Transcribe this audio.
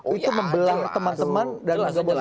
itu membelah teman teman dan langsung